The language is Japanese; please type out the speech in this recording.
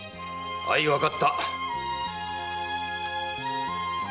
あいわかった。